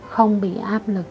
không bị áp lực